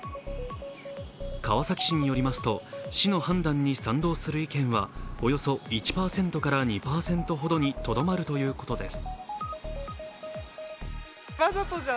川崎市によりますと、市の判断に賛同する意見はおよそ１％から２％ほどにとどまるということです。